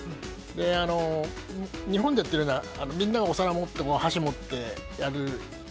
で日本でやってるようなみんながお皿持って箸持ってやる薄い肉焼く。